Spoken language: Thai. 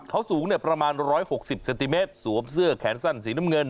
เขาสูงเนี่ยประมาณร้อยหกสิบเซติเมตรสวมเสื้อแขนสั้นสีน้ำเงิน